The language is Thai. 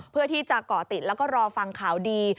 เพื่อที่จะเกาะติดแล้วก็รอฟังข่าวดี